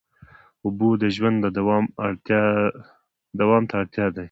اوبه د ژوند دوام ته اړتیا دي.